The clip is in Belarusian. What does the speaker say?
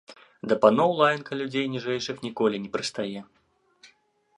Да паноў лаянка людзей ніжэйшых ніколі не прыстае.